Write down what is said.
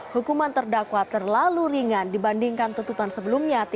hukuman terdakwa terlalu ringan dibandingkan tututan sebelumnya